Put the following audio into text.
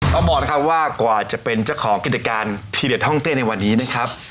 ต้องบอกนะครับว่ากว่าจะเป็นเจ้าของกิจการทีเด็ดห้องเต้ในวันนี้นะครับ